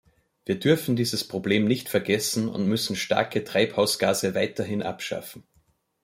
Wir dürfen dieses Problem nicht vergessen und müssen starke Treibhausgase weiterhin abschaffen.